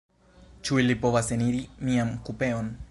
Ĉu ili povas eniri mian kupeon?